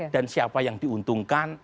dan siapa yang diuntungkan